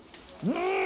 うん！